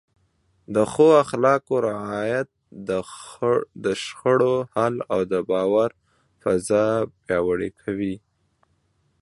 د ښو اخلاقو رعایت د شخړو حل او د باور فضا پیاوړې کوي.